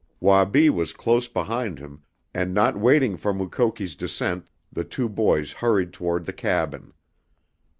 Wabi was close behind him, and not waiting for Mukoki's descent the two boys hurried toward the cabin.